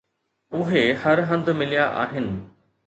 اهي هر هنڌ مليا آهن